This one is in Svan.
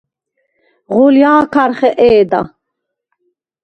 ღოლჲა̄ქარ ხეყე̄და.